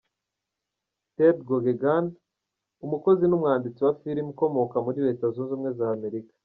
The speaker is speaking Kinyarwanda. Ted Geoghegan Umukozi n’ umwanditsi wa Film ukomoka muri Leta Zunze Ubumwe z’ Amerika.